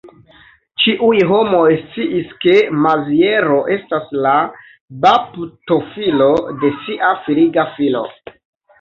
Ĉiuj homoj sciis, ke Maziero estas la baptofilo de sia filiga filo.